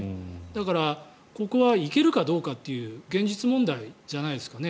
だから、ここは行けるかどうかという現実問題じゃないですかね。